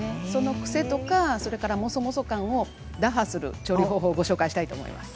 癖とか、もそもそ感を打破する調理法をご紹介します。